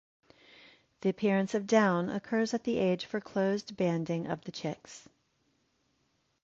The appearance of down occurs at the age for closed banding of the chicks.